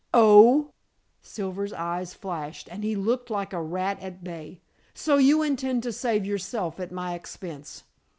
"Oh!" Silver's eyes flashed, and he looked like a rat at bay. "So you intend to save yourself at my expense.